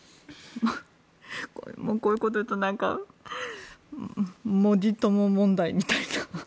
こういうことを言うとモディ友問題みたいな。